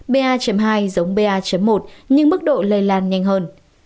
ba hai giống ba một nhưng mức độ lây lan nhanh hơn